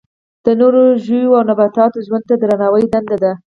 د نورو ژویو او نباتاتو ژوند ته درناوی دنده ده.